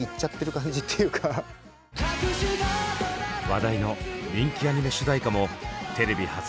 話題の人気アニメ主題歌もテレビ初披露！